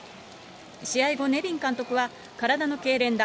試合後、ネビン監督は体のけいれんだ。